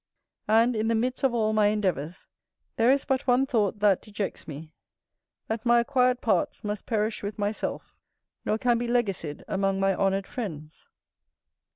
And, in the midst of all my endeavours, there is but one thought that dejects me, that my acquired parts must perish with myself, nor can be legacied among my honoured friends.